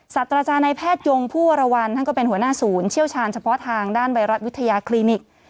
สัตว์อาจารย์ในแพทยงผู้วรวรรณท่านก็เป็นหัวหน้าศูนย์เชี่ยวชาญเฉพาะทางด้านไวรัสวิทยาคลินิก